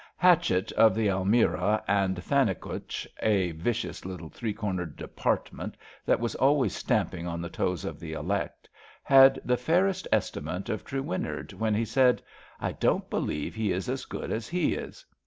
Hatchett of the Almirah and Thannicutch — a vicious little three cornered Department that was always stamping on the toes of the Elect — ^had the fairest estimate of Trewinnard, when he said: I don 't believe he is as good as he is.